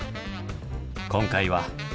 今回は。